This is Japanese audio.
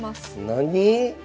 何？